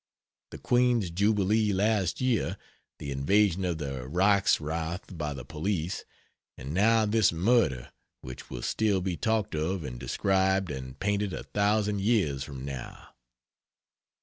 The Queen's jubilee last year, the invasion of the Reichsrath by the police, and now this murder, which will still be talked of and described and painted a thousand years from now.